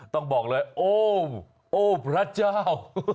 ต้องบอกเลยโอ้มโอ้พระเจ้า